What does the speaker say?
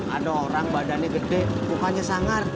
ada orang badannya gede bukannya sanggar